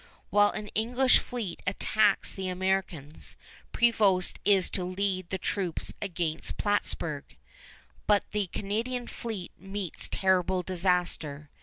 While an English fleet attacks the Americans, Prevost is to lead the troops against Plattsburg. But the Canadian fleet meets terrible disaster.